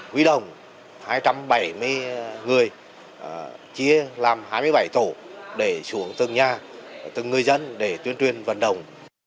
huy đồng hai trăm bảy mươi người chia làm hai mươi bảy tổ để xuống từng nhà từng người dân để tuyên truyền vận động